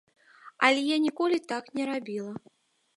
Але я ніколі так не рабіла.